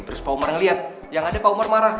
terus pak umar ngeliat yang ada pak umar marah